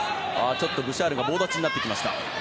ちょっとブシャールが棒立ちになってきました。